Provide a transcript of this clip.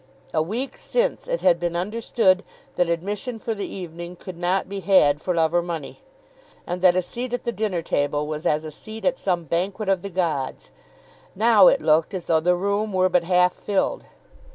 A week since it had been understood that admission for the evening could not be had for love or money, and that a seat at the dinner table was as a seat at some banquet of the gods! Now it looked as though the room were but half filled.